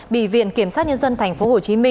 bị viện kiểm soát nhân dân tp hcm